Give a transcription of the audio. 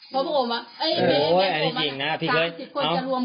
เพราะผมว่า๓๐คนจะรวมกัน